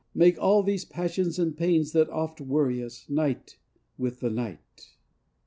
Make all these passions and pains, that oft worry us, Night with the night.